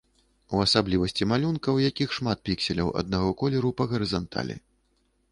У асаблівасці малюнка, у якіх шмат пікселяў аднаго колеру па гарызанталі.